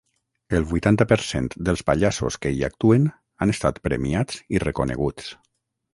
El vuitanta per cent dels pallassos que hi actuen han estat premiats i reconeguts.